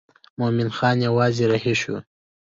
مومن خان یوازې رهي شو.